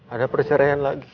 ada persiraian lagi